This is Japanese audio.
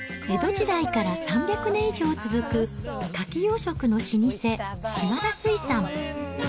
江戸時代から３００年以上続くカキ養殖の老舗、島田水産。